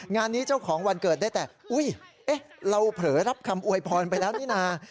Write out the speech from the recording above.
งานนี้เจ้าของวันเกิดได้แต่อุ๊ยเราเผลอรับคำอวยพรไปแล้วนี่นะ